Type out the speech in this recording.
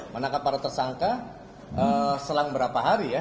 menangkap para tersangka selang berapa hari ya